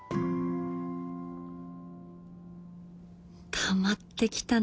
たまってきたな。